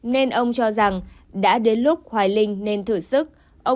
nên ông cho rằng đã đến lúc hoài linh nên thử sức